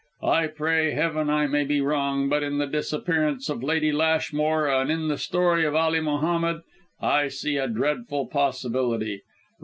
I pray heaven I may be wrong, but in the disappearance of Lady Lashmore, and in the story of Ali Mohammed, I see a dreadful possibility.